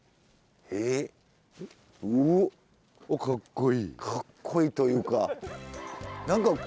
かっこいいというか。